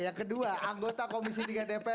yang kedua anggota komisi tiga dpr